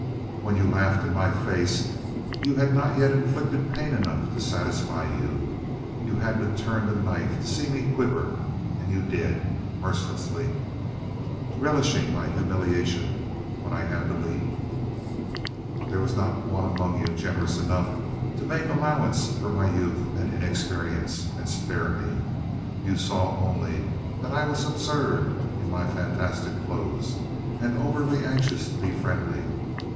"When you laughed in my face you had not yet inflicted pain enough to satisfy you you had to turn the knife to see me quiver. And you did mercilessly relishing my humiliation when I had to leave. "There was not one among you generous enough to make allowance for my youth and inexperience, and spare me. You saw only that I was absurd in my fantastic clothes, and overly anxious to be friendly.